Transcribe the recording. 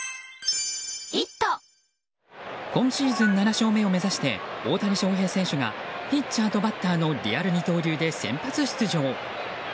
今シーズン７勝目を目指して大谷翔平選手がピッチャーとバッターのリアル二刀流で先発出場。